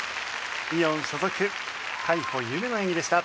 イオン所属海保結愛の演技でした。